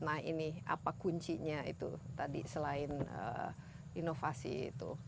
nah ini apa kuncinya itu tadi selain inovasi itu